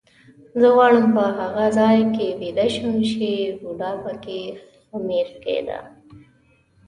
زه غواړم په هغه ځای کې ویده شم چې بوډا به پکې خمیر کېده.